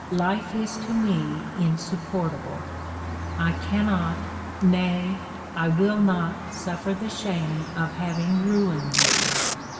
Life is to me insupportable. I cannot, nay, I will not suffer the shame of having ruined you.